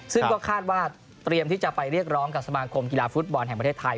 ซึ่งก็คาดว่าเตรียมที่จะไปเรียกร้องกับสมาคมกีฬาฟุตบอลแห่งประเทศไทย